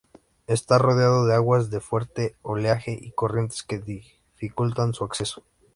Está rodeado de aguas de fuerte oleaje y corrientes que dificultan su acceso.